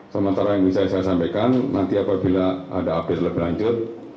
sementara yang bisa saya sampaikan nanti apabila ada update lebih lanjut